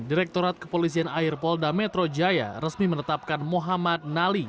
direktorat kepolisian air polda metro jaya resmi menetapkan muhammad nali